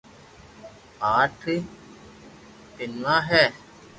آٺ ٻينو ھي